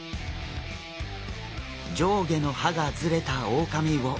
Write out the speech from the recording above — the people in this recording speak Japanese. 上下の歯がズレたオオカミウオ。